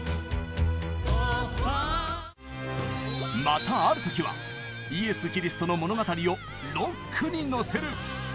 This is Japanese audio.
またある時はイエス・キリストの物語をロックにのせる。